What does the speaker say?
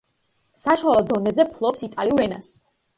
საშუალო დონეზე ფლობს იტალიურ ენას.